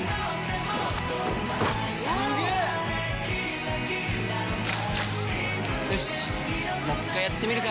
すげー‼よしっもう一回やってみるか！